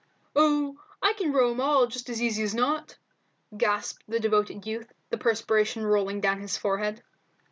"Oh, I can row 'em all just as easy's not," gasped the devoted youth, the perspiration rolling down his forehead.